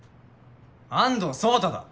安藤創太だ！